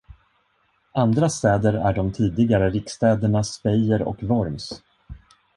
Andra städer är de tidigare riksstäderna Speyer och Worms.